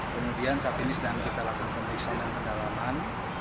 kemudian saat ini sedang kita lakukan pemeriksaan dan pendalaman